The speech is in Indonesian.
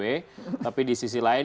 tapi di sisi lain